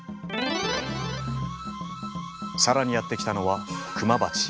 更にやって来たのはクマバチ。